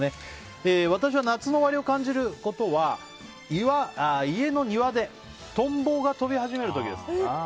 私は夏の終わりを感じることは家の庭でトンボが飛び始める時です。